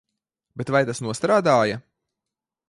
Bet vai tas nostrādāja?